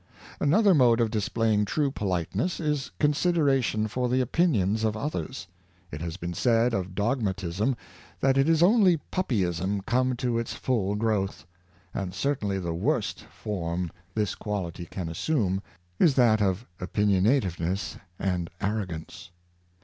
Another mode of displaying true politeness is con sideration for the opinions of others. It has been said of dogmatism, that it is only puppyism come to its full growth; and certainly the worst form this quality can assume, is that of opinionativeness and arrogance.